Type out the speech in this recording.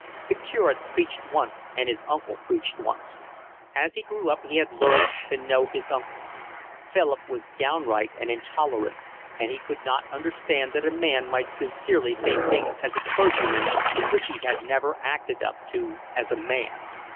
The curate preached once and his uncle preached once. As he grew up he had learned to know his uncle; Philip was downright and intolerant, and he could not understand that a man might sincerely say things as a clergyman which he never acted up to as a man.